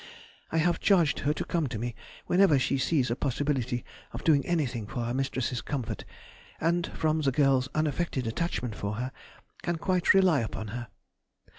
I have charged her to come to me whenever she sees a possibility of doing anything for her mistress's comfort, and, from the girl's unaffected attachment for her, can quite rely upon her.